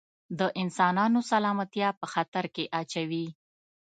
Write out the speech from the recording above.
د انسانانو سلامتیا په خطر کې اچوي.